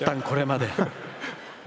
これまで。